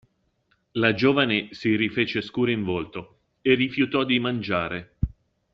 La giovane si rifece scura in volto e rifiutò di mangiare.